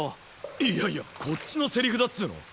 いやいやこっちのセリフだっつうの！